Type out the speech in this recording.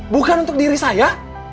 bukan untuk diri saya